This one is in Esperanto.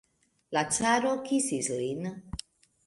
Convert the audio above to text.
La caro kisis lin.